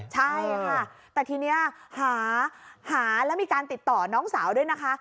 ใช่ค่ะแต่ทีนี้หาแล้วมีการติดต่อน้องสาวด้วยนะคะ